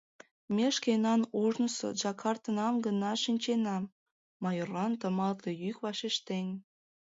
Ме шкенан ожнысо Джакартынам гына шинчена, — майорлан тыматле йӱк вашештен.